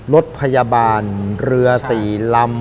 รถพยาบาลเรือ๔ลำ